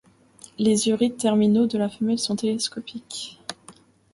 Les urites terminaux de la femelle sont télescopiques.